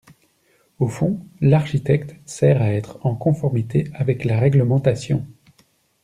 Au fond, l’architecte sert à être en conformité avec la réglementation.